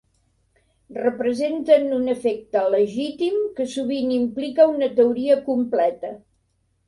Representen un efecte legítim que sovint implica una teoria completa.